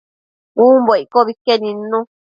umbo iccobi que nidnu